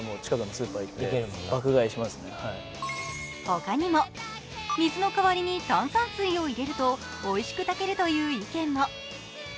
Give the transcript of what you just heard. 他にも、水の代わりに炭酸水を入れるとおいしく炊けるという意見も。